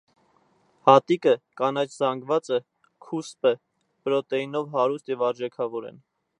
Հատիկը, կանաչ զանգվածը, քուսպը, պրոտեինով հարուստ և արժեքավոր են։